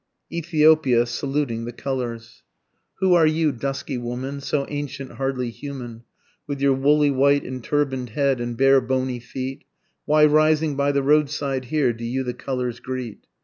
ETHIOPIA SALUTING THE COLOURS. Who are you dusky woman, so ancient hardly human, With your woolly white and turban'd head, and bare bony feet Why rising by the roadside here, do you the colours greet?